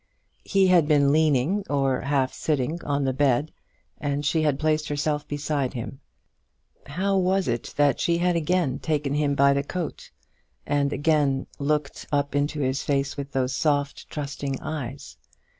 He had been leaning, or half sitting, on the bed, and she had placed herself beside him. How was it that she had again taken him by the coat, and again looked up into his face with those soft, trusting eyes?